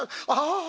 ああ。